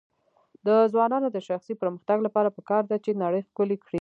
د ځوانانو د شخصي پرمختګ لپاره پکار ده چې نړۍ ښکلی کړي.